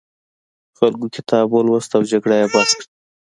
خلکو کتاب ولوست او جګړه یې بس کړه.